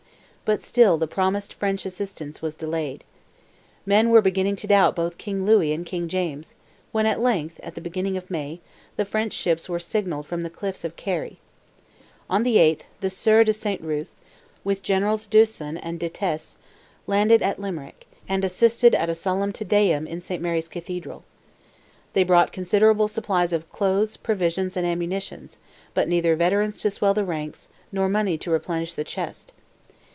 But still the promised French assistance was delayed. Men were beginning to doubt both King Louis and King James, when, at length at the beginning of May, the French ships were signalled from the cliffs of Kerry. On the 8th, the Sieur de Saint Ruth, with Generals D'Usson and De Tesse, landed at Limerick, and assisted at a solemn Te Deum in St. Mary's Cathedral. They brought considerable supplies of clothes, provisions, and ammunitions, but neither veterans to swell the ranks, nor money to replenish the chest.